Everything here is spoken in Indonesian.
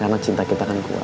karena cinta kita kan kuat